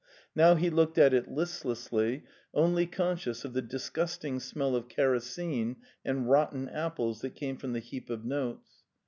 Now he looked at it list lessly, only conscious of the disgusting smell of kero sene and rotten apples that came from the heap of notes.